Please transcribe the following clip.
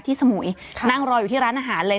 สมุยนั่งรออยู่ที่ร้านอาหารเลย